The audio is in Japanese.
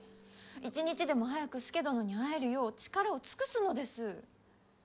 一日でも早く佐殿に会えるよう力を尽くすのです。